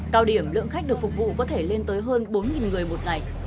cao điểm lượng khách được phục vụ có thể lên tới hơn bốn người một ngày